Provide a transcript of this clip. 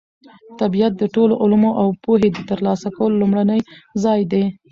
طبیعت د ټولو علومو او پوهې د ترلاسه کولو لومړنی ځای دی.